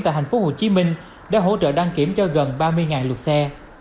tại thành phố hồ chí minh đã hỗ trợ đăng kiểm cho gần ba mươi lượt xe